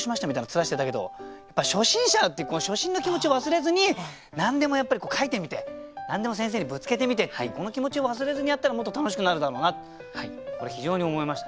面してたけどやっぱ初心者って初心の気持ちを忘れずに何でもやっぱり書いてみて何でも先生にぶつけてみてっていうこの気持ちを忘れずにやったらもっと楽しくなるだろうなってこれ非常に思いましたね。